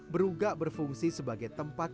berugak berfungsi sebagai tempat